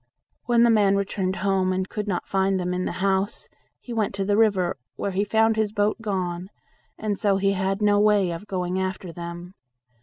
When the man returned home and could not find them in the house, he went to the river, where he found his boat gone, and so he had no way of going after them.